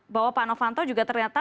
bahwa pak novanto juga ternyata